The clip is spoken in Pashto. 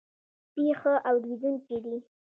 سپي ښه اورېدونکي دي.